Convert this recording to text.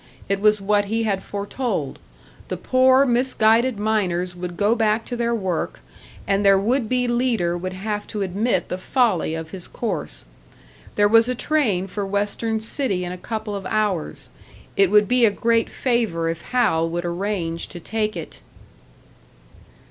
It was what he had foretold. The poor, mis guided miners would go back to their work, and their would be leader would have to admit the folly of his course. There was a train for Western City in a couple of hours; it would be a great favour if Hal would arrange to take it.